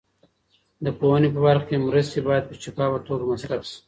د پوهنې په برخه کې مرستې باید په شفافه توګه مصرف شي.